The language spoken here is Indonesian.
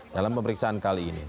dalam pemeriksaan kali ini